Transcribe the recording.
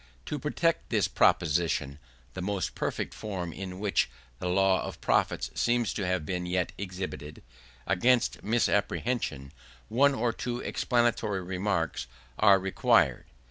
To protect this proposition (the most perfect form in which the law of profits seems to have been yet exhibited) against misapprehension, one or two explanatory remarks are required.